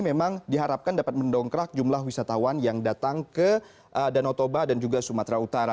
memang diharapkan dapat mendongkrak jumlah wisatawan yang datang ke danau toba dan juga sumatera utara